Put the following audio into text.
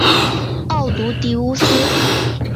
奥卢狄乌斯。